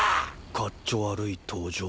かっちょ悪い登場。